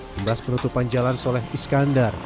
pembas penutupan jalan soleh iskandar